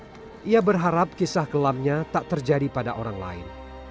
dia berharap kisah kelamnya tak terjadi pada orang lain